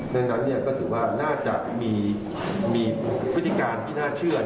ดังนั้นก็ถือว่าน่าจะมีพฤติการที่น่าเชื่อ